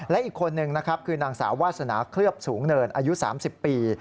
และอีกคนนึงนะครับคือนางสาววาสนาเคลือบสูงเนินอายุ๓๐ปี